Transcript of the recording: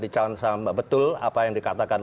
dicatatkan betul apa yang dikatakan